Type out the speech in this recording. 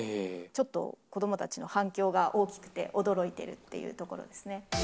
ちょっと子どもたちの反響が大きくて、驚いているというところですね。